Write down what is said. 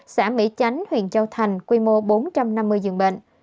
xã mỹ chánh huyện châu thành quy mô bốn trăm năm mươi giường bệnh